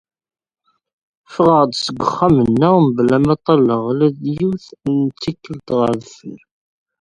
Ffɣeɣ-d seg uxxam-nneɣ mebla ma ṭalleɣ ula d tikkelt ɣer deffir.